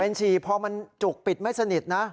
เป็นฉี่พอมันจุกปิดไม่สนิทนะ